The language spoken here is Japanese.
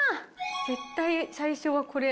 絶対最初はこれ。